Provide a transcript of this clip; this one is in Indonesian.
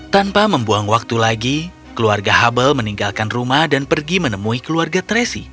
tanpa membuang waktu lagi keluarga hubble meninggalkan rumah dan pergi menemui keluarga tracy